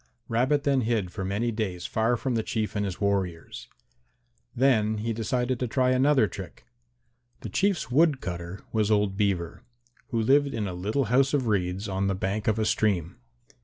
Rabbit then hid for some days far from the Chief and his warriors. Then he decided to try another trick. The Chief's wood cutter was old Beaver, who lived in a little house of reeds on the bank of a stream.